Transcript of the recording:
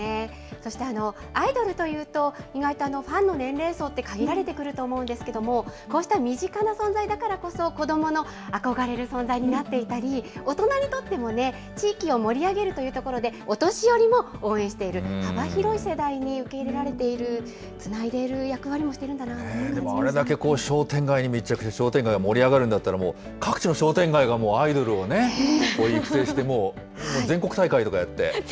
そして、アイドルというと、意外とファンの年齢層って限られてくると思うんですけども、こうした身近な存在だからこそ、子どもの憧れる存在になっていたり、大人にとっても地域を盛り上げるというところで、お年寄りも応援している、幅広い世代に受け入れられている、つないでいる役割もしてでもあれだけ商店街に密着して、商店街が盛り上がるんだったら、もう各地の商店街がアイドルを育成して、もう、全国大会とかやって。